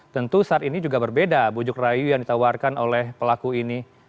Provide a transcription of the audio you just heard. tentu saat ini juga berbeda bujuk rayu yang ditawarkan oleh pelaku ini